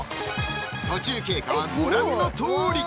途中経過はご覧のとおり！